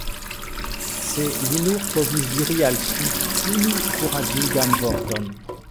Se li nur povus diri al ŝi unu kuraĝigan vorton!